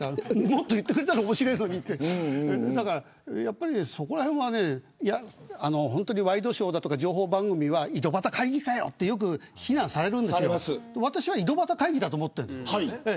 もっと言ってくれたら面白いのにってやっぱりそこらへんはワイドショーだとか情報番組は井戸端会議かよと非難されるんですけど私は井戸端会議だと思ってるんですよ。